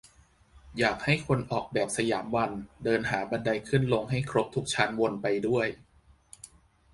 อยากให้คนออกแบบสยามวันเดินหาบันไดขึ้นลงให้ครบทุกชั้นวนไปด้วย